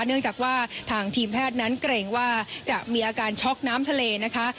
เนื่องจากว่าทางทีมแพทย์นั้นเกรงว่าจะมีอาการช็อกน้ำทะเลนะคะ